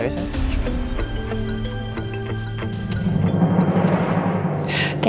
jaga pos yang bener